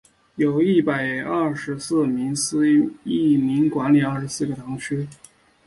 由一百廿四名司铎名管理廿四个堂区。